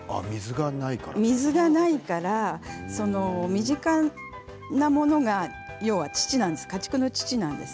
水がないから、身近なものが要は乳なんです。